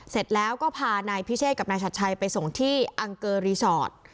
เสร็จแล้วก็พานายพิเชษกับนายชัดชัยไปส่งที่อังเกอรีสอร์ท